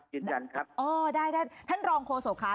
ยืนยันครับอ๋อได้ท่านรองโฆษกค่ะ